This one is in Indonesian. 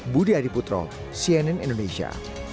budi adiputro cnn indonesia